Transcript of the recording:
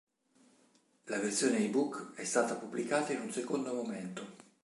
La versione ebook è stata pubblicata in un secondo momento.